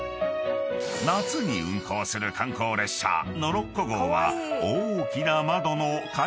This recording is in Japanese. ［夏に運行する観光列車ノロッコ号は大きな窓の］